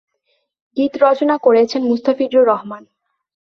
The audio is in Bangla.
গীত রচনা করেছেন মুস্তাফিজুর রহমান।